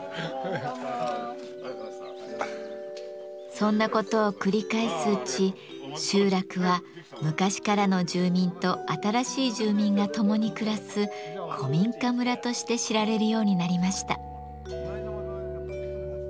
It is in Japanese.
そんなことを繰り返すうち集落は昔からの住民と新しい住民が共に暮らす古民家村として知られるようになりました。